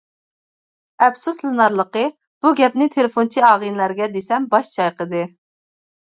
ئەپسۇسلىنارلىقى، بۇ گەپنى تېلېفونچى ئاغىنىلەرگە دېسەم باش چايقىدى.